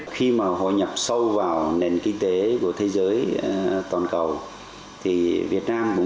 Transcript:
khi mà họ nhập sâu vào nền kinh tế của thế giới toàn cầu